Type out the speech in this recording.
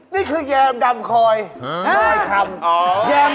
นี่คือแยมดำไคล